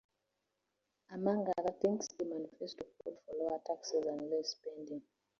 Among other things, the Manifesto called for lower taxes and less spending.